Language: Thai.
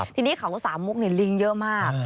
ทีนี้เขาสามมุกลิงเยอะมาก